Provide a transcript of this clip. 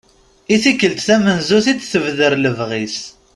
I tikkelt tamenzut i d-tebder lebɣi-s.